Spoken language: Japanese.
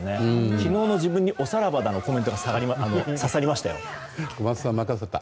昨日の自分におさらばだっていうコメントが刺さりましたよ。